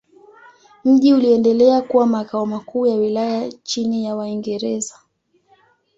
Mji uliendelea kuwa makao makuu ya wilaya chini ya Waingereza.